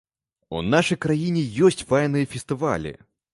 У нашай краіне ёсць файныя фестывалі!